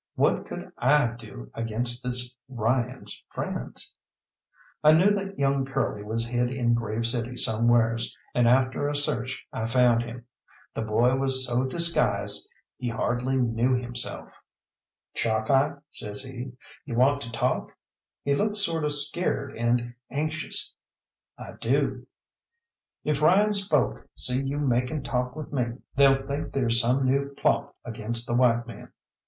What could I do against this Ryan's friends? I knew that young Curly was hid in Grave City somewheres, and after a search I found him. The boy was so disguised he hardly knew himself. "Chalkeye," says he, "you want a talk?" He looked sort of scared and anxious. "I do." "If Ryan's folk see you making talk with me, they'll think there's some new plot against the white men.